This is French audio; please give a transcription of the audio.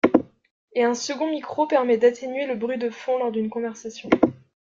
Et un second micro permet d'atténuer le bruit de fond lors d'une conversation.